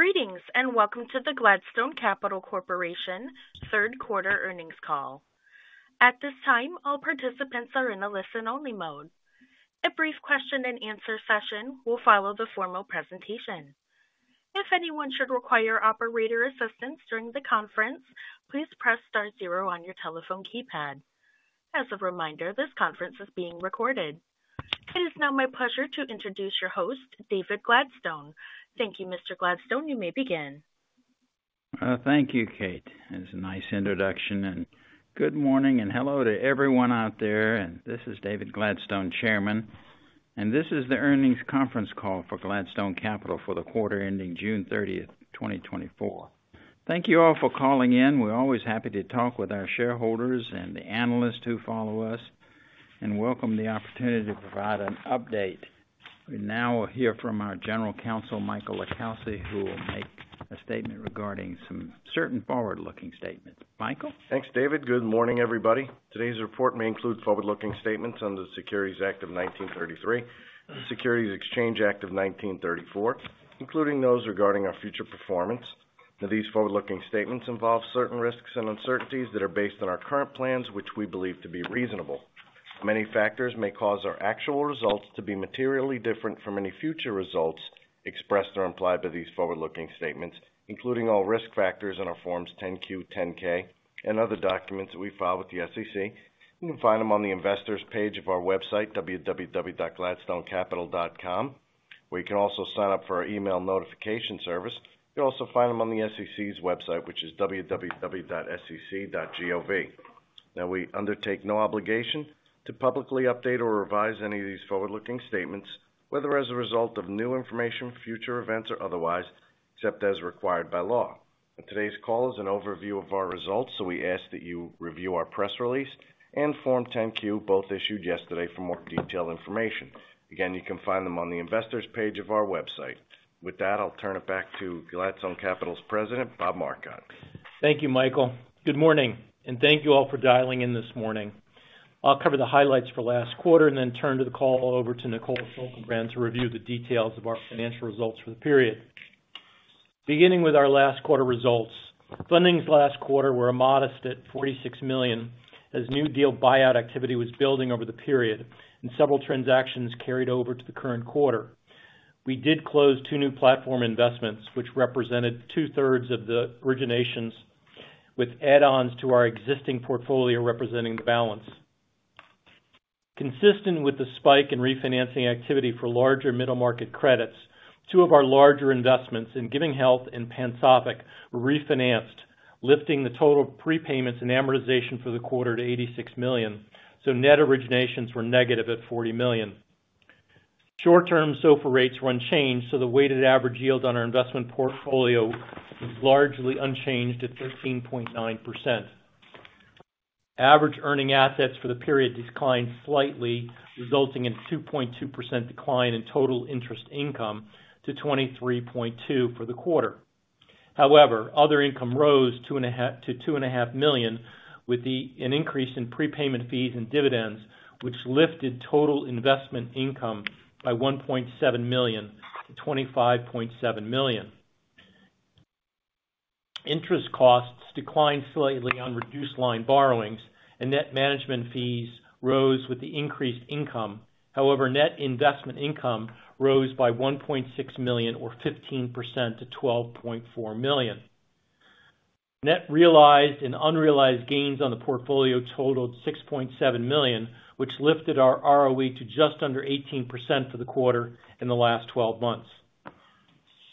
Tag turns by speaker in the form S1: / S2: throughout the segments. S1: Greetings, and welcome to the Gladstone Capital Corporation Third Quarter Earnings Call. At this time, all participants are in a listen-only mode. A brief question and answer session will follow the formal presentation. If anyone should require operator assistance during the conference, please press star zero on your telephone keypad. As a reminder, this conference is being recorded. It is now my pleasure to introduce your host, David Gladstone. Thank you, Mr. Gladstone, you may begin.
S2: Thank you, Kate. That's a nice introduction, and good morning, and hello to everyone out there. And this is David Gladstone, Chairman, and this is the earnings conference call for Gladstone Capital for the quarter ending June 30, 2024. Thank you all for calling in. We're always happy to talk with our shareholders and the analysts who follow us, and welcome the opportunity to provide an update. We now will hear from our General Counsel, Michael LiCalsi, who will make a statement regarding some certain forward-looking statements. Michael?
S3: Thanks, David. Good morning, everybody. Today's report may include forward-looking statements under the Securities Act of 1933, the Securities Exchange Act of 1934, including those regarding our future performance. Now, these forward-looking statements involve certain risks and uncertainties that are based on our current plans, which we believe to be reasonable. Many factors may cause our actual results to be materially different from any future results expressed or implied by these forward-looking statements, including all risk factors in our Forms 10-Q, 10-K, and other documents that we file with the SEC. You can find them on the Investors page of our website, www.gladstonecapital.com, where you can also sign up for our email notification service. You'll also find them on the SEC's website, which is www.sec.gov. Now, we undertake no obligation to publicly update or revise any of these forward-looking statements, whether as a result of new information, future events, or otherwise, except as required by law. Today's call is an overview of our results, so we ask that you review our press release and Form 10-Q, both issued yesterday for more detailed information. Again, you can find them on the Investors page of our website. With that, I'll turn it back to Gladstone Capital's president, Bob Marcotte.
S2: Thank you, Michael. Good morning, and thank you all for dialing in this morning. I'll cover the highlights for last quarter and then turn the call over to Nicole Schaltenbrand to review the details of our financial results for the period. Beginning with our last quarter results, fundings last quarter were modest at $46 million, as new deal buyout activity was building over the period and several transactions carried over to the current quarter. We did close two new platform investments, which represented two-thirds of the originations, with add-ons to our existing portfolio representing the balance. Consistent with the spike in refinancing activity for larger middle-market credits, two of our larger investments in Giving Health and Pansophic refinanced, lifting the total prepayments and amortization for the quarter to $86 million. Net originations were negative at $40 million. Short-term SOFR rates were unchanged, so the weighted average yield on our investment portfolio was largely unchanged at 13.9%. Average earning assets for the period declined slightly, resulting in a 2.2% decline in total interest income to $23.2 million for the quarter. However, other income rose $2.5 million, with an increase in prepayment fees and dividends, which lifted total investment income by $1.7 million to $25.7 million. Interest costs declined slightly on reduced line borrowings and net management fees rose with the increased income. However, net investment income rose by $1.6 million, or 15% to $12.4 million. Net realized and unrealized gains on the portfolio totaled $6.7 million, which lifted our ROE to just under 18% for the quarter in the last twelve months.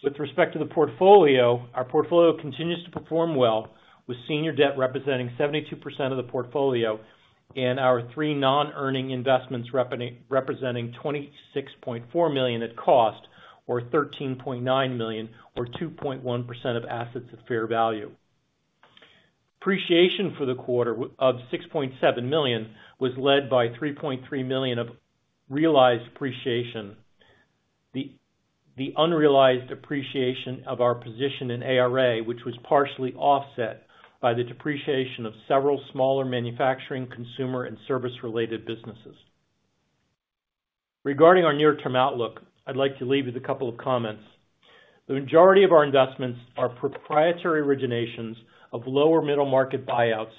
S2: With respect to the portfolio, our portfolio continues to perform well, with senior debt representing 72% of the portfolio and our three non-earning investments representing $26.4 million at cost, or $13.9 million, or 2.1% of assets at fair value. Appreciation for the quarter was $6.7 million was led by $3.3 million of realized appreciation. The unrealized appreciation of our position in ARA, which was partially offset by the depreciation of several smaller manufacturing, consumer, and service-related businesses. Regarding our near-term outlook, I'd like to leave you with a couple of comments. The majority of our investments are proprietary originations of lower middle-market buyouts,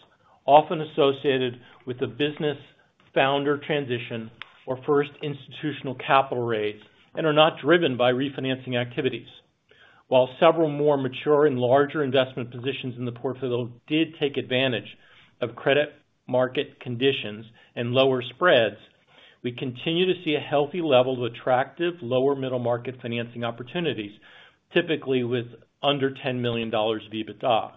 S2: often associated with the business founder transition or first institutional capital raise, and are not driven by refinancing activities. While several more mature and larger investment positions in the portfolio did take advantage of credit market conditions and lower spreads, we continue to see a healthy level of attractive, lower middle-market financing opportunities, typically with under $10 million EBITDA.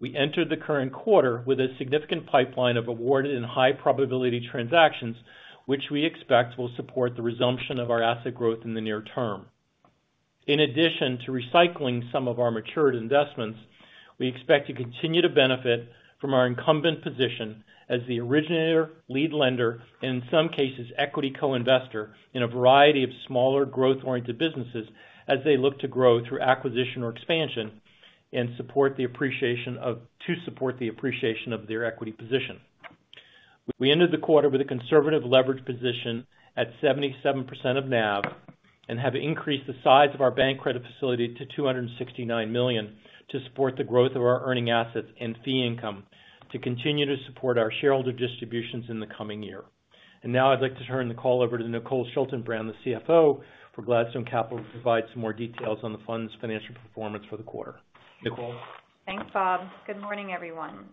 S2: We entered the current quarter with a significant pipeline of awarded and high-probability transactions, which we expect will support the resumption of our asset growth in the near term. In addition to recycling some of our matured investments, we expect to continue to benefit from our incumbent position as the originator, lead lender, and in some cases, equity co-investor in a variety of smaller, growth-oriented businesses as they look to grow through acquisition or expansion to support the appreciation of their equity position. We ended the quarter with a conservative leverage position at 77% of NAV, and have increased the size of our bank credit facility to $269 million to support the growth of our earning assets and fee income, to continue to support our shareholder distributions in the coming year. And now I'd like to turn the call over to Nicole Schaltenbrand, the CFO for Gladstone Capital, to provide some more details on the fund's financial performance for the quarter. Nicole?
S4: Thanks, Bob. Good morning, everyone.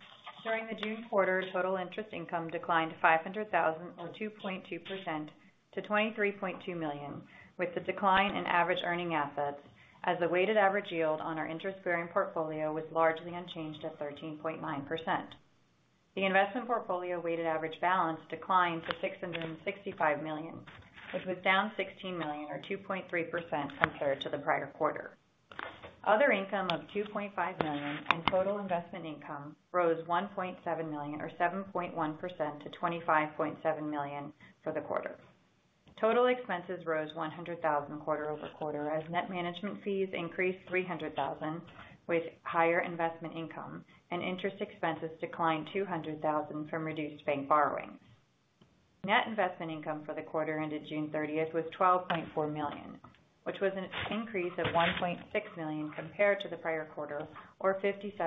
S4: During the June quarter, total interest income declined $500,000 or 2.2% to $23.2 million, with the decline in average earning assets as the weighted average yield on our interest-bearing portfolio was largely unchanged at 13.9%. The investment portfolio weighted average balance declined to $665 million, which was down $16 million or 2.3% compared to the prior quarter. Other income of $2.5 million and total investment income rose $1.7 million or 7.1% to $25.7 million for the quarter. Total expenses rose $100,000 quarter-over-quarter, as net management fees increased $300,000, with higher investment income, and interest expenses declined $200,000 from reduced bank borrowings. Net investment income for the quarter ended June 30 was $12.4 million, which was an increase of $1.6 million compared to the prior quarter or $0.57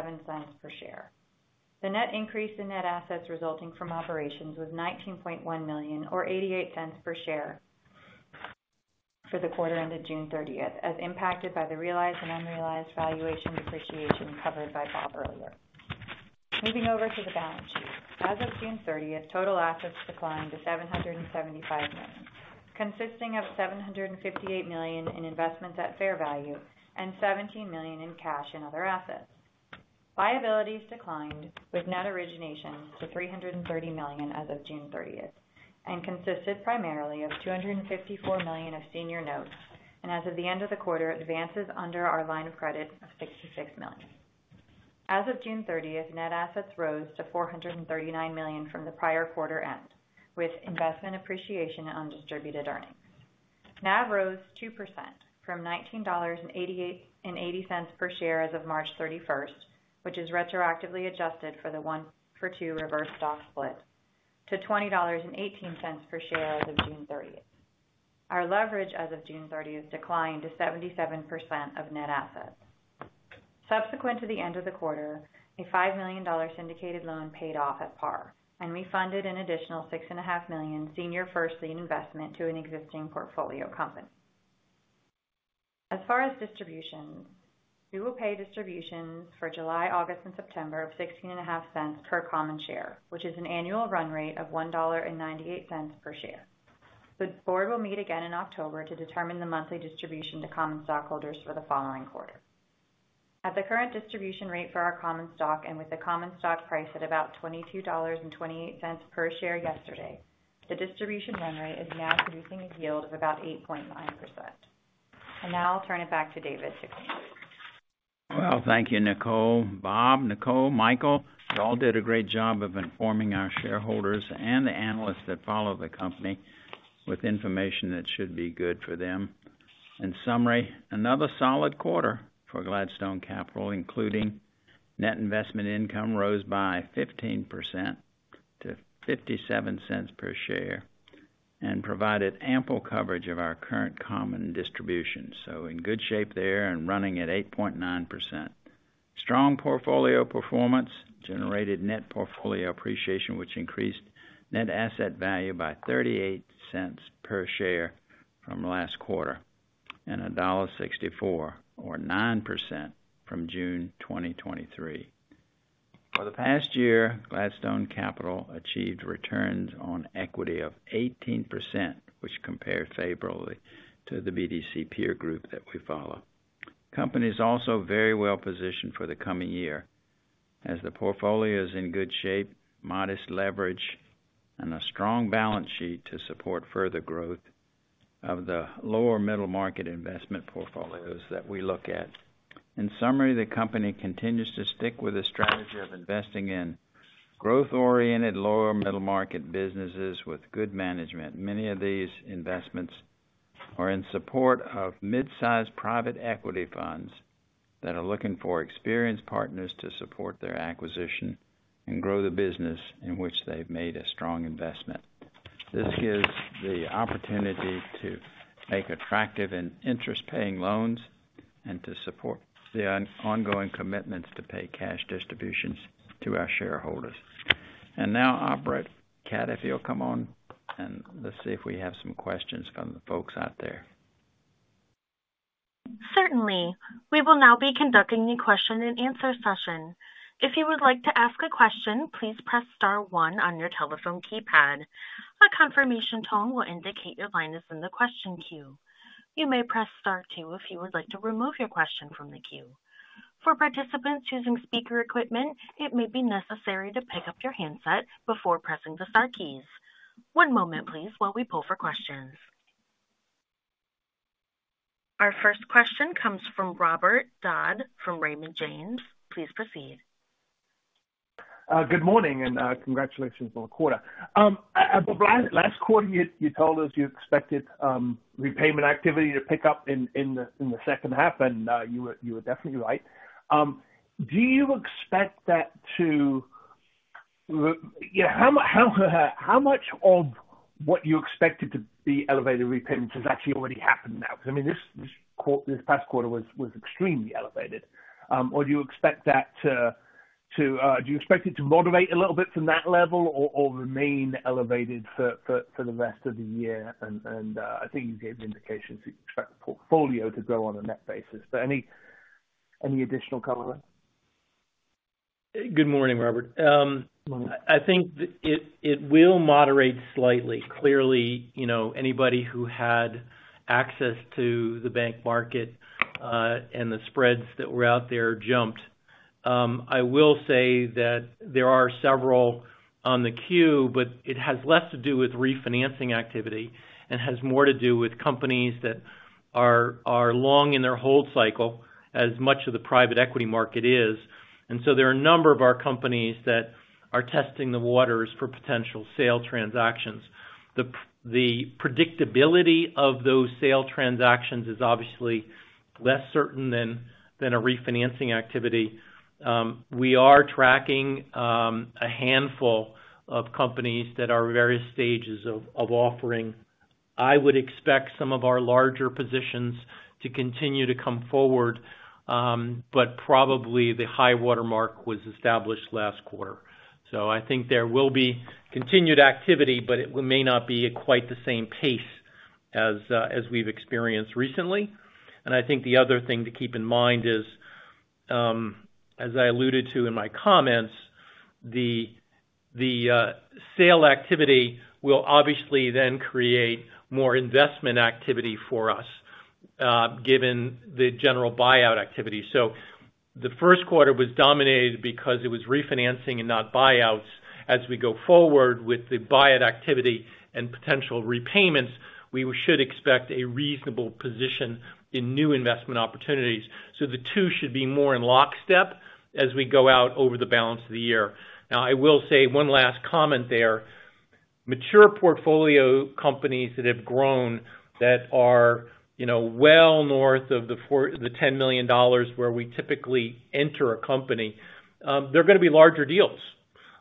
S4: per share. The net increase in net assets resulting from operations was $19.1 million or $0.88 per share for the quarter ended June 30, as impacted by the realized and unrealized valuation appreciation covered by Bob earlier. Moving over to the balance sheet. As of June 30, total assets declined to $775 million, consisting of $758 million in investments at fair value and $17 million in cash and other assets. Liabilities declined with net origination to $330 million as of June 30, and consisted primarily of $254 million of senior notes, and as of the end of the quarter, advances under our line of credit of $66 million. As of June 30, net assets rose to $439 million from the prior quarter end, with investment appreciation on distributed earnings. NAV rose 2% from $19.88 per share as of March 31, which is retroactively adjusted for the 1-for-2 reverse stock split to $20.18 per share as of June 30. Our leverage as of June 30 declined to 77% of net assets. Subsequent to the end of the quarter, a $5 million syndicated loan paid off at par, and we funded an additional $6.5 million senior first lien investment to an existing portfolio company. As far as distributions, we will pay distributions for July, August, and September of $0.165 per common share, which is an annual run rate of $1.98 per share. The board will meet again in October to determine the monthly distribution to common stockholders for the following quarter. At the current distribution rate for our common stock, and with the common stock price at about $22.28 per share yesterday, the distribution run rate is now producing a yield of about 8.9%. Now I'll turn it back to David to conclude.
S5: Well, thank you, Nicole. Bob, Nicole, Michael, you all did a great job of informing our shareholders and the analysts that follow the company with information that should be good for them. In summary, another solid quarter for Gladstone Capital, including net investment income, rose by 15% to $0.57 per share, and provided ample coverage of our current common distribution. So in good shape there and running at 8.9%. Strong portfolio performance generated net portfolio appreciation, which increased net asset value by $0.38 per share from last quarter, and $1.64 or 9% from June 2023. For the past year, Gladstone Capital achieved returns on equity of 18%, which compared favorably to the BDC peer group that we follow. Company is also very well positioned for the coming year, as the portfolio is in good shape, modest leverage, and a strong balance sheet to support further growth of the lower middle market investment portfolios that we look at. In summary, the company continues to stick with a strategy of investing in growth-oriented, lower middle market businesses with good management. Many of these investments are in support of mid-sized private equity funds that are looking for experienced partners to support their acquisition and grow the business in which they've made a strong investment. This gives the opportunity to make attractive and interest-paying loans and to support the ongoing commitments to pay cash distributions to our shareholders. And now, operator, Kate, if you'll come on, and let's see if we have some questions from the folks out there.
S1: Certainly. We will now be conducting the question and answer session. If you would like to ask a question, please press star one on your telephone keypad. A confirmation tone will indicate your line is in the question queue. You may press star two if you would like to remove your question from the queue. For participants using speaker equipment, it may be necessary to pick up your handset before pressing the star keys. One moment, please, while we pull for questions. Our first question comes from Robert Dodd, from Raymond James. Please proceed.
S6: Good morning, and congratulations on the quarter. In the last quarter, you told us you expected repayment activity to pick up in the second half, and you were definitely right. How much of what you expected to be elevated repayments has actually already happened now? Because, I mean, this quarter, this past quarter was extremely elevated. Or do you expect it to moderate a little bit from that level or remain elevated for the rest of the year? And I think you gave indications you expect the portfolio to grow on a net basis. But any additional color?
S2: Good morning, Robert. I think it will moderate slightly. Clearly, you know, anybody who had access to the bank market and the spreads that were out there jumped. I will say that there are several on the queue, but it has less to do with refinancing activity and has more to do with companies that are long in their hold cycle, as much of the private equity market is. And so there are a number of our companies that are testing the waters for potential sale transactions. The predictability of those sale transactions is obviously less certain than a refinancing activity. We are tracking a handful of companies that are at various stages of offering. I would expect some of our larger positions to continue to come forward, but probably the high watermark was established last quarter. So I think there will be continued activity, but it may not be at quite the same pace as we've experienced recently. And I think the other thing to keep in mind is, as I alluded to in my comments, the sale activity will obviously then create more investment activity for us, given the general buyout activity. So the first quarter was dominated because it was refinancing and not buyouts. As we go forward with the buyout activity and potential repayments, we should expect a reasonable position in new investment opportunities. So the two should be more in lockstep as we go out over the balance of the year. Now, I will say one last comment there. Mature portfolio companies that have grown, that are, you know, well north of the $10 million, where we typically enter a company, they're gonna be larger deals.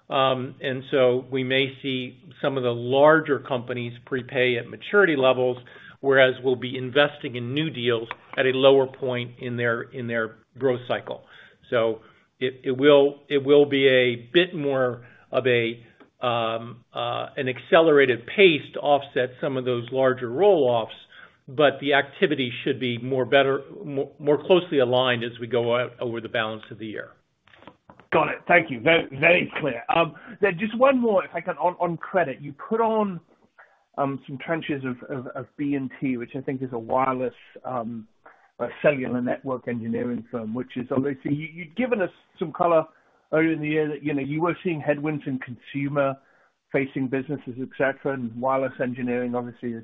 S2: And so we may see some of the larger companies prepay at maturity levels, whereas we'll be investing in new deals at a lower point in their growth cycle. So it will be a bit more of an accelerated pace to offset some of those larger roll-offs, but the activity should be more better, more closely aligned as we go out over the balance of the year.
S6: Got it. Thank you. Very, very clear. Then just one more, if I can, on credit. You put on some tranches of B+T, which I think is a wireless or cellular network engineering firm, which is obviously... You'd given us some color earlier in the year that, you know, you were seeing headwinds in consumer-facing businesses, et cetera, and wireless engineering obviously is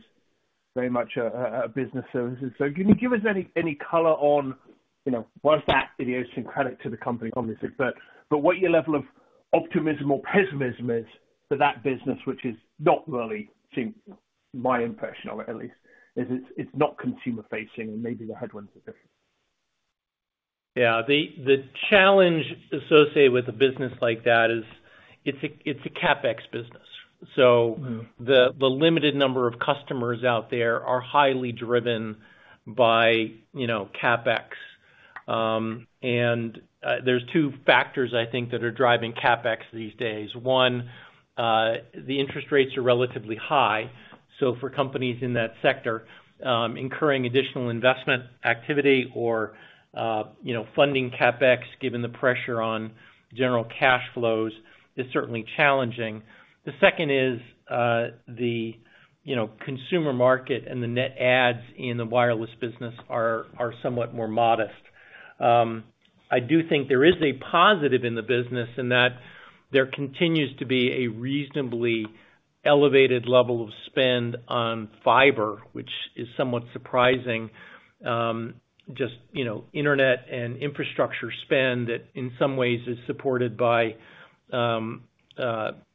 S6: very much a business services. So can you give us any color on, you know, was that idiosyncratic to the company, obviously, but what your level of optimism or pessimism is for that business, which is not really seems, my impression of it at least, is it's not consumer-facing and maybe the headwinds are different.
S2: Yeah. The challenge associated with a business like that is it's a CapEx business. So-
S6: Mm-hmm.
S2: The limited number of customers out there are highly driven by, you know, CapEx. There's two factors I think that are driving CapEx these days. One, the interest rates are relatively high. So for companies in that sector, incurring additional investment activity or, you know, funding CapEx, given the pressure on general cash flows, is certainly challenging. The second is, the, you know, consumer market and the net ads in the wireless business are somewhat more modest. I do think there is a positive in the business in that there continues to be a reasonably elevated level of spend on fiber, which is somewhat surprising. Just, you know, internet and infrastructure spend that in some ways is supported by,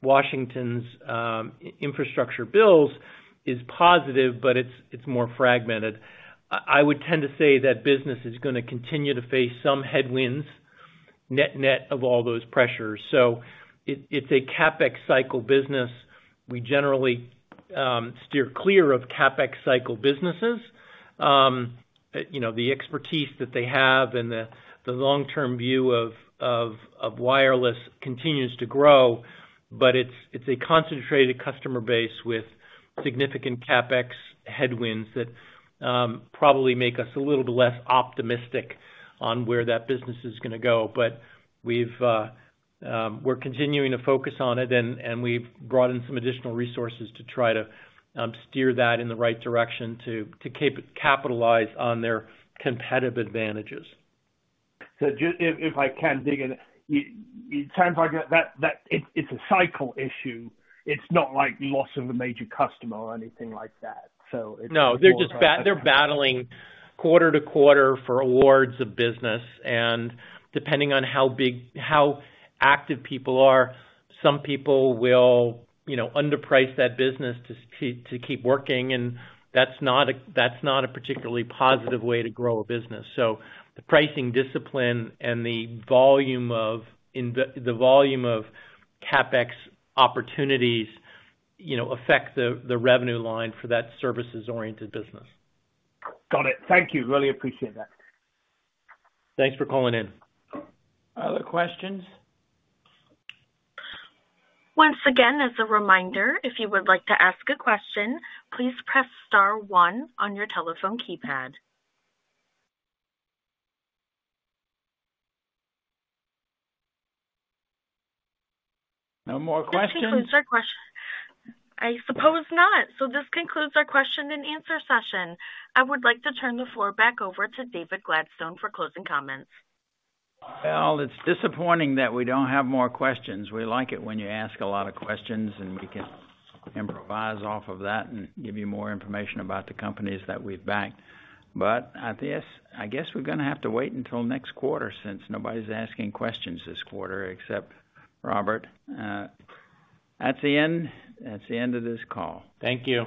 S2: Washington's, infrastructure bills is positive, but it's more fragmented. I would tend to say that business is gonna continue to face some headwinds, net-net of all those pressures. So it's a CapEx cycle business. We generally steer clear of CapEx cycle businesses. You know, the expertise that they have and the long-term view of wireless continues to grow, but it's a concentrated customer base with significant CapEx headwinds that probably make us a little bit less optimistic on where that business is gonna go. But we're continuing to focus on it, and we've brought in some additional resources to try to steer that in the right direction to capitalize on their competitive advantages.
S6: So if I can dig in, it sounds like that it's a cycle issue. It's not like loss of a major customer or anything like that, so it's-
S2: No, they're just battling quarter to quarter for awards of business, and depending on how big, how active people are, some people will, you know, underprice that business to keep working, and that's not a, that's not a particularly positive way to grow a business. So the pricing discipline and the volume of CapEx opportunities, you know, affect the revenue line for that services-oriented business.
S6: Got it. Thank you. Really appreciate that.
S2: Thanks for calling in.
S5: Other questions?
S1: Once again, as a reminder, if you would like to ask a question, please press star one on your telephone keypad.
S5: No more questions?
S1: This concludes our quest- I suppose not. So this concludes our question and answer session. I would like to turn the floor back over to David Gladstone for closing comments.
S5: Well, it's disappointing that we don't have more questions. We like it when you ask a lot of questions, and we can improvise off of that and give you more information about the companies that we've backed. But I guess, I guess we're gonna have to wait until next quarter since nobody's asking questions this quarter, except Robert. That's the end. That's the end of this call.
S2: Thank you.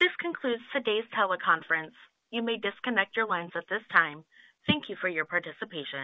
S1: This concludes today's teleconference. You may disconnect your lines at this time. Thank you for your participation.